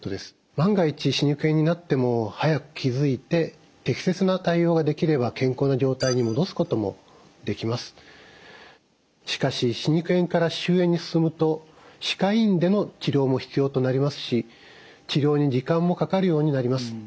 万が一歯肉炎になっても早く気付いて適切な対応ができればしかし歯肉炎から歯周炎に進むと歯科医院での治療も必要となりますし治療に時間もかかるようになります。